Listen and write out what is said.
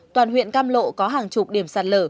toàn huyện cam lộ có hàng chục điểm sạt lở